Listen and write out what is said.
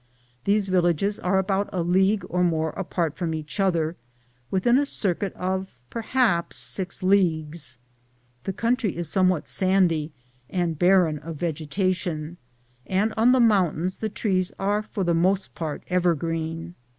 These villages are about a league or more apart from each other, within a circuit of perhaps 6 leagues. The country is somewhat sandy and not very salty (or barren of vegetation *), and on the mountains the trees are for the most part evergreen.